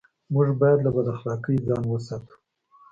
موږ بايد له بد اخلاقۍ ځان و ساتو.